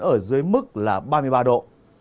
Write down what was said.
ở dưới mức là ba mươi ba độ